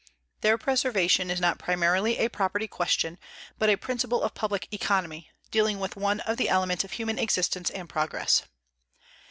Their preservation is not primarily a property question, but a principle of public economy, dealing with one of the elements of human existence and progress.